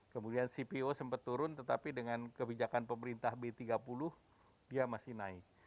kemudian cpo sempat turun tetapi dengan kebijakan pemerintah b tiga puluh dia masih naik